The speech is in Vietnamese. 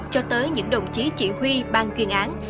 cho tới những đồng chí chỉ huy bang chuyên án